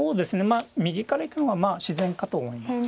まあ右から行くのが自然かと思います。